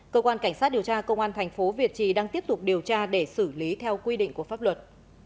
cơ quan cảnh sát điều tra công an thành phố việt trì đang tiếp tục điều tra để xử lý theo quy định của pháp luật